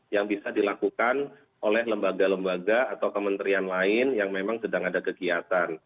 yang bisa dilakukan oleh lembaga lembaga atau kementerian lain yang memang sedang ada kegiatan